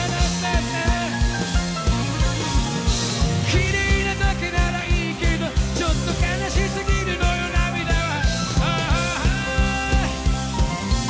「きれいなだけならいいけどちょっと悲しすぎるのよ涙は」